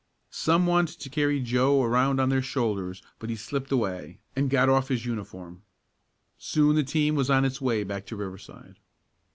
Some wanted to carry Joe around on their shoulders but he slipped away, and got off his uniform. Soon the team was on its way back to Riverside.